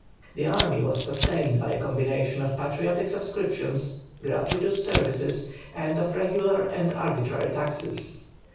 This army was sustained by a combination of patriotic subscriptions, gratuitous services, and of regular and arbitrary taxes.